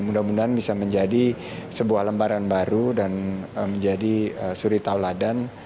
mudah mudahan bisa menjadi sebuah lembaran baru dan menjadi suri tauladan